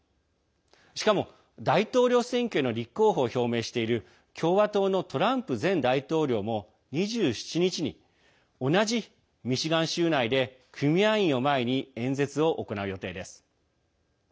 しかも、大統領選挙への立候補を表明している共和党のトランプ前大統領も２７日に同じミシガン州内で組合員を前に演説を行う予定です。